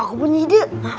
aku punya ide